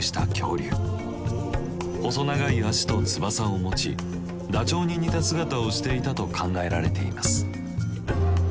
細長い脚と翼を持ちダチョウに似た姿をしていたと考えられています。